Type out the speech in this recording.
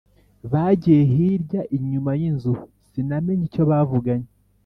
bagiye hirya inyuma yinzu sinamenye icyo bavuganye.